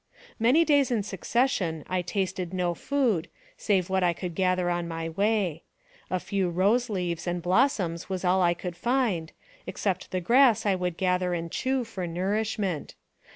Many days in succession I tasted no food, save what I could gather on my way; a few rose leaves and blossoms was all I could find, except the grass I would gather and chew, for nourishment.